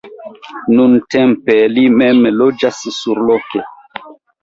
Nuntempe li mem loĝas surloke.